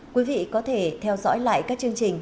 quý vị có thể theo dõi lại các chương trình